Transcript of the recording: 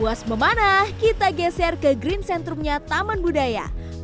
puas memanah kita geser ke green centrumnya taman budaya